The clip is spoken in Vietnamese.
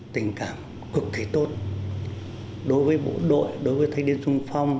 tình cảm cực kỳ tốt đối với bộ đội đối với thanh niên sung phong